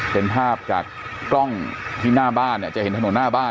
เป็นภาพจากกล้องที่หน้าบ้านเนี่ยจะเห็นถนนหน้าบ้าน